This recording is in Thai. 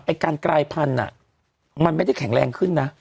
การกลายพันธุ์มันไม่ได้แข็งแรงขึ้นนะ